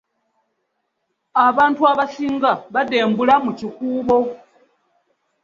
Abantu abasings badubula mu kikuubo .